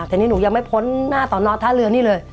แต่นี่หนูยังไม่พ้นหน้าสอนอท่าเรือนี่เลย